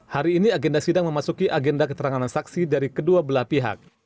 hari ini agenda sidang memasuki agenda keterangan saksi dari kedua belah pihak